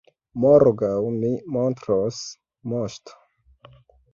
Morgaŭ mi montros, moŝto!